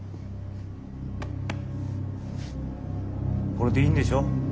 これでいいんでしょ？